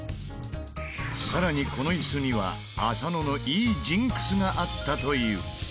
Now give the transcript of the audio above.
さらにこの椅子には浅野のいいジンクスがあったという。